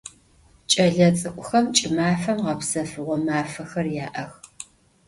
Ç'elets'ık'uxem ç'ımafem ğepsefığo mafexer ya'ex.